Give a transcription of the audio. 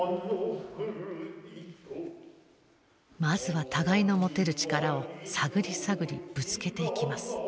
まずは互いの持てる力を探り探りぶつけていきます。